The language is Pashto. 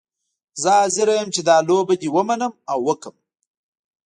زه حاضره یم چې دا لوبه دې ومنم او وکړم.